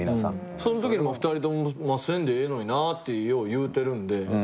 その時に２人とも「せんでええのにな」ってよう言うてるんで。